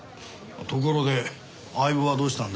ところで相棒はどうしたんだ？